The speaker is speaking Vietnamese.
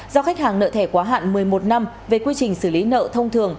do khách hàng nợ thẻ quá hạn một mươi một năm về quy trình xử lý nợ thông thường